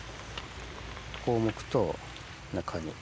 こうむくと中に。